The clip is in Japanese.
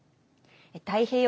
太平洋